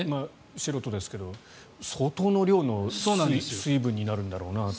素人ですが相当の量の水分になるんだろうなと。